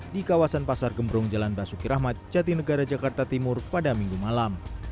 di kawasan pasar gembrong jalan basuki rahmat jati negara jakarta timur pada minggu malam